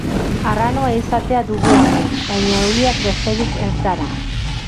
Arranoa izatea dugu amets, baina euliak besterik ez gara.